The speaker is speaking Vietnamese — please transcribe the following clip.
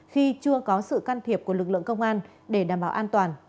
khi chưa có sự can thiệp của lực lượng công an để đảm bảo an toàn